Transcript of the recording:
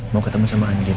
mau ketemu sama andin